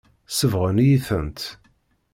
Sebɣen-iyi-tent.